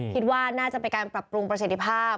คิดว่าน่าจะไปการกลับปรุงประเศษฐภาพ